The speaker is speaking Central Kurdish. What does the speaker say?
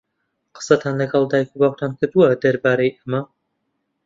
قسەتان لەگەڵ دایک و باوکتان کردووە دەربارەی ئەمە؟